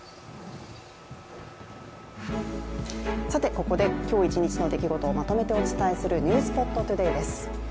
ここで今日一日の出来事をまとめてお伝えする「ｎｅｗｓｐｏｔＴｏｄａｙ」です。